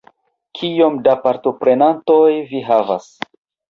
Kiom da partoprenantoj vi havas?